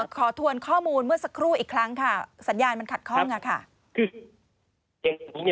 ทวนข้อมูลเมื่อสักครู่อีกครั้งค่ะสัญญาณมันขัดข้องค่ะ